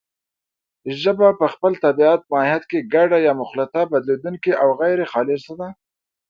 ژبه په خپل طبیعي ماهیت کې ګډه یا مخلوطه، بدلېدونکې او غیرخالصه ده